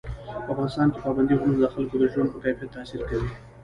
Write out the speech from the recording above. په افغانستان کې پابندی غرونه د خلکو د ژوند په کیفیت تاثیر کوي.